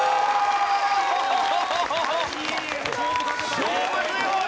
勝負強い！